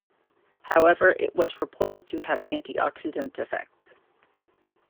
However, it was reported to have antioxidant effects.